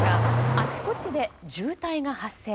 あちこちで渋滞が発生。